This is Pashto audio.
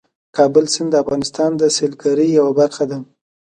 د کابل سیند د افغانستان د سیلګرۍ یوه برخه ده.